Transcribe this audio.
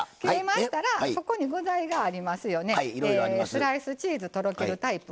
スライスチーズとろけるタイプ